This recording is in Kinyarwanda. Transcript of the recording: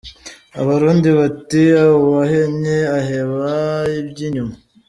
Abarundi bati : Uwahennye aheba iby’inyuma.